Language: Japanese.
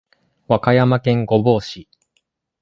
和歌山県御坊市